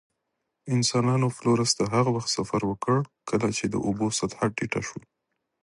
انسانانو فلورس ته هغه وخت سفر وکړ، کله چې د اوبو سطحه ټیټه شوه.